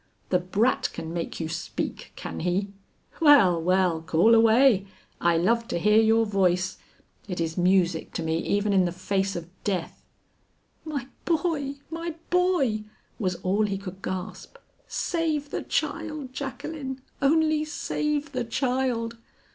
The brat can make you speak, can he? Well, well, call away, I love to hear your voice. It is music to me even in the face of death." "My boy! my boy," was all he could gasp; "save the child, Jacqueline, only save the child!"